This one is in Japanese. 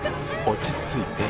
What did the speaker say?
落ち着いて。